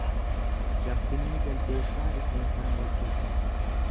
Gabbinni jaldeessaa rifeensaan walkeessa.